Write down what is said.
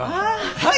はい！